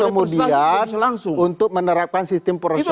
kemudian untuk menerapkan sistem proses yang terbuka